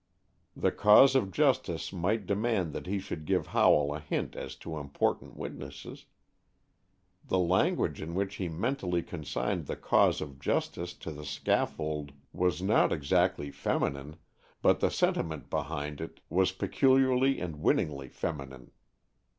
The cause of justice might demand that he should give Howell a hint as to important witnesses. The language in which he mentally consigned the cause of justice to the scaffold was not exactly feminine, but the sentiment behind it was peculiarly and winningly feminine.